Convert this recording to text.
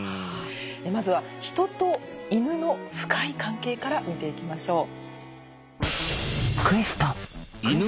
まずはヒトとイヌの深い関係から見ていきましょう。